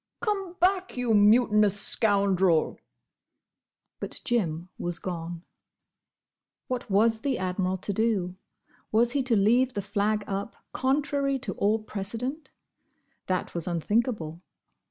"Come back! you mutinous scoundrel!" But Jim was gone. What was the Admiral to do? Was he to leave the flag up, contrary to all precedent? That was unthinkable.